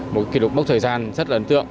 một kỷ lục mốc thời gian rất là ấn tượng